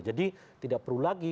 jadi tidak perlu lagi